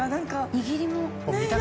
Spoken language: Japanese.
握りも。